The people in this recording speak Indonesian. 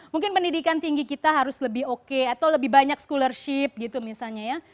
mungkin pendidikan tinggi kita harus lebih oke atau lebih banyak scholarship gitu misalnya ya